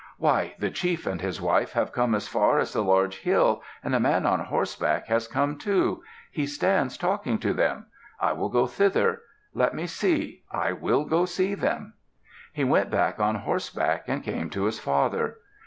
"Why! The chief and his wife have come as far as the large hill and a man on horseback has come, too. He stands talking to them. I will go thither. Let me see! I will go to see them." He went back on horseback and came to his father.